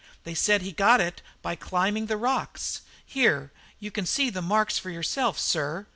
They said he got it by climbing the rocks here, you can see the marks for yourself, sir.